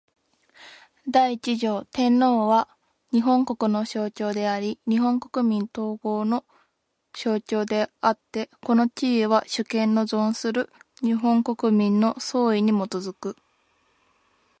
第一条天皇は、日本国の象徴であり日本国民統合の象徴であつて、この地位は、主権の存する日本国民の総意に基く。